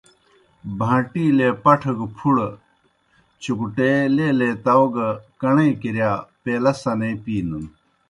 بَھان٘ٹِیلے پٹَھہ گہ پُھڑہ چُکٹے لیلے تاؤ گہ کَݨَے کِرِیا پیلہ سنے پِینَن۔